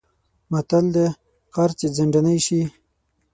متل دی: قرض چې ځنډنی شی...